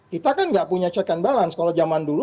kita kan nggak punya check and balance kalau zaman dulu